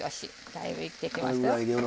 だいぶいってきましたよ。